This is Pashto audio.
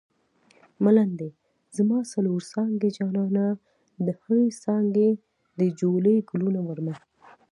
ملنډۍ: زما څلور څانګې جانانه د هرې څانګې دې جولۍ ګلونه وړمه